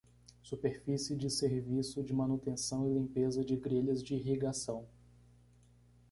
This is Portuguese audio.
Superfície de serviço de manutenção e limpeza de grelhas de irrigação.